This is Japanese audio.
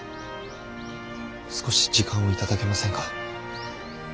少し時間を頂けませんか。